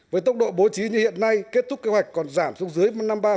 với tốc độ bố trí như hiện nay kết thúc kế hoạch còn giảm xuống dưới năm mươi ba